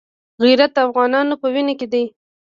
غیرت د افغانانو په وینو کې دی.